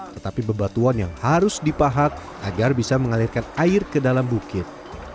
tetapi bebatuan yang harus dipahak agar bisa mengalirkan air ke dalam bukit